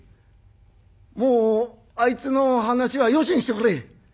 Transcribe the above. もうあいつの話はよしにしてくれ。